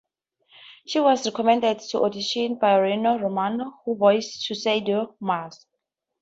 She was recommended to audition by Rino Romano, who voiced Tuxedo Mask.